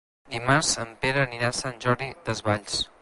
Dimarts en Pere anirà a Sant Jordi Desvalls.